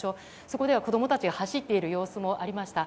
そこでは子供たちが走っている様子もありました。